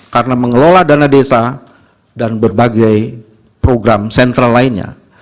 karena mengelola dana desa dan berbagai program sentral lainnya